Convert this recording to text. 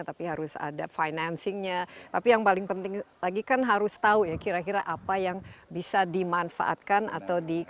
tapi harus ada financingnya tapi yang paling penting lagi kan harus tahu ya kira kira apa yang bisa dimanfaatkan atau di